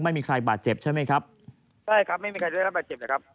ไม่มีใครบาดเจ็บใช่ไหมครับใช่ครับไม่มีใครได้รับบาดเจ็บนะครับ